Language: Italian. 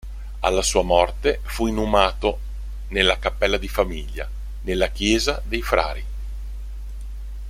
Alla sua morte fu inumato nella cappella di famiglia, nella chiesa dei Frari.